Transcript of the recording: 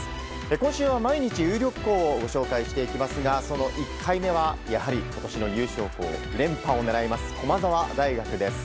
今週は毎日、有力校をご紹介していきますがその１回目は今年の優勝校連覇を狙う駒澤大学です。